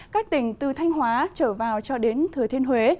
các tỉnh từ thanh hóa trở vào cho đến thừa thiên huế